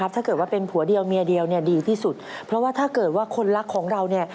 ทำไมเพราะฉะนั้น